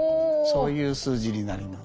そういう数字になります。